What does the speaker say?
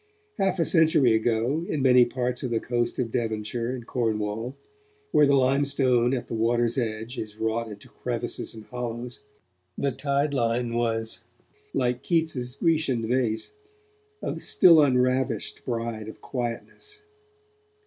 Half a century ago, in many parts of the coast of Devonshire and Cornwall, where the limestone at the water's edge is wrought into crevices and hollows, the tideline was, like Keats' Grecian vase, 'a still unravished bride of quietness'.